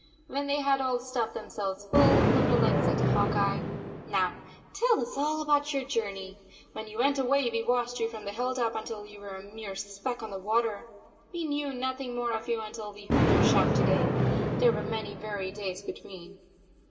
When they had all stuffed themselves full, Limberleg said to Hawk Eye: "Now tell us all about your journey. When you went away, we watched you from the hill top until you were a mere speck on the water. We knew nothing more of you until we heard your shout to day. There were many weary days between."